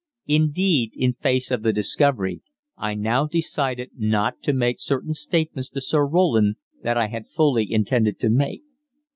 Indeed, in face of the discovery, I now decided not to make certain statements to Sir Roland that I had fully intended to make.